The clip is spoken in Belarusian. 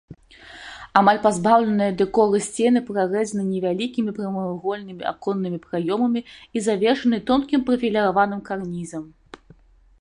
Амаль пазбаўленыя дэкору сцены прарэзаны невялікімі прамавугольнымі аконнымі праёмамі і завершаны тонкім прафіляваным карнізам.